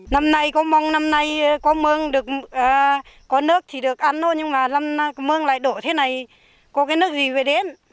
năm nay có mong năm nay có mương có nước thì được ăn thôi nhưng mà mương lại đổ thế này có cái nước gì về đến